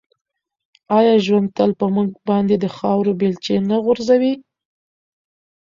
آیا ژوند تل په موږ باندې د خاورو بیلچې نه غورځوي؟